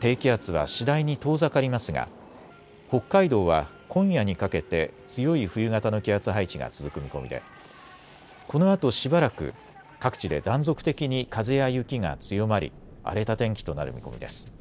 低気圧は次第に遠ざかりますが北海道は今夜にかけて強い冬型の気圧配置が続く見込みでこのあとしばらく各地で断続的に風や雪が強まり荒れた天気となる見込みです。